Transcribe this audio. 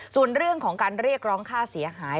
ส่วนเรื่องของการเรียกร้องค่าเสียหาย